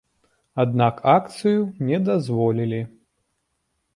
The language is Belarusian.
Аднак акцыю не дазволілі.